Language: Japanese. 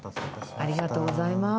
ありがとうございます。